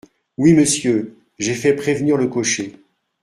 Oui, monsieur ! j’ai fait prévenir le cocher.